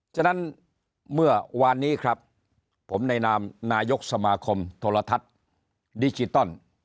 ฉะนั้นเมื่อวานนี้ครับผมในนามนายกสมาคมโทรทัศน์ดิจิตอล